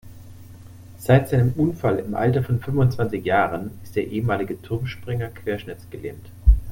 Seit seinem Unfall im Alter von fünfundzwanzig Jahren ist der ehemalige Turmspringer querschnittsgelähmt.